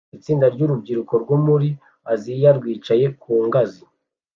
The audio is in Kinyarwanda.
Itsinda ryurubyiruko rwo muri Aziya rwicaye ku ngazi